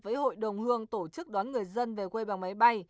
với hội đồng hương tổ chức đón người dân về quê bằng máy bay